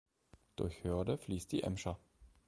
Durch Hörde fließt die Emscher.